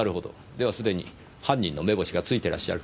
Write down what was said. では既に犯人の目星がついてらっしゃる？